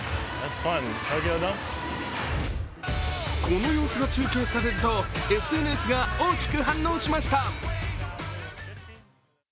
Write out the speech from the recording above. この様子が中継されるとＳＮＳが大きく反応しました。